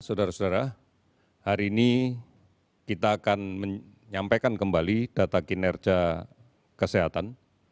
saudara saudara hari ini kita akan menyampaikan kembali data kinerja kesehatan